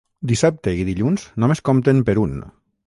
Dissabte i dilluns només compten per un.